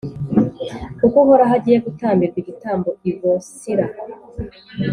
kuko Uhoraho agiye gutambirwa igitambo i Bosira,